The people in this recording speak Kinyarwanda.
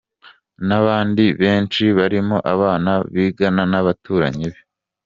nabandi benshi barimo abana bigana nabaturanyi be.